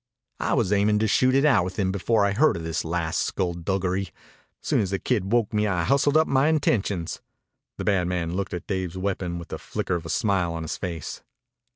"I was aimin' to shoot it out with him before I heard of this last scullduggery. Soon as the kid woke me I hustled up my intentions." The bad man looked at Dave's weapon with the flicker of a smile on his face.